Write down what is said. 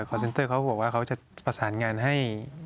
เซ็นเตอร์เขาบอกว่าเขาจะประสานงานให้